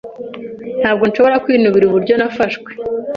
Ntabwo nshobora kwinubira uburyo nafashwe.